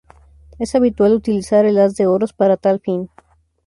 Es habitual utilizar el as de oros para tal fin.